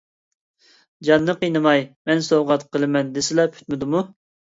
جاننى قىينىماي، مەن سوۋغات قىلىمەن دېسىلا پۈتمىدىمۇ؟!